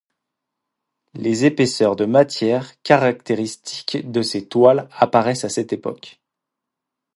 Les épaisseurs de matières caractéristiques de ses toiles apparaissent à cette époque.